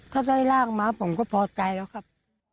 ถ้าได้ร่างมาผมก็พอใจแล้วครับ